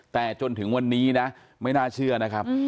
แต่จนถึงวันนี้นะไม่น่าเชื่อนะครับ